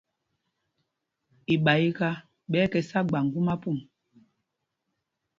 Iɓayiká ɓɛ́ ɛ́ tɔ sá gba ŋgumá pum.